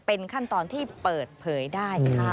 เป็นขั้นตอนที่เปิดเผยได้ค่ะ